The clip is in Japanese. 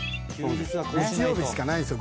日曜日しかないんですよ